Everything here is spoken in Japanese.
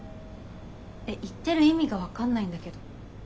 えっ言ってる意味が分かんないんだけど。